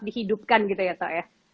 dihidupkan gitu ya pak ya